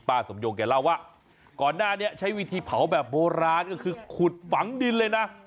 สมยงแกเล่าว่าก่อนหน้านี้ใช้วิธีเผาแบบโบราณก็คือขุดฝังดินเลยนะ